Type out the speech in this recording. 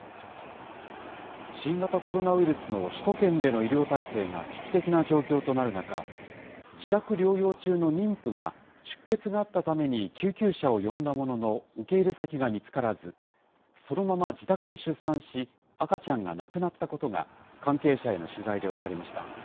新型コロナウイルスの首都圏での医療体制が危機的な状況となる中、自宅療養中の妊婦が、出血があったために救急車を呼んだものの、受け入れ先が見つからず、そのまま自宅で出産し、赤ちゃんが亡くなったことが関係者への取材で分かりました。